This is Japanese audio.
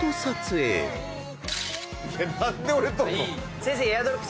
何で俺撮るの？